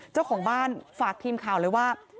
เจ้าของบ้านฝากทีมข่าวเลยว่า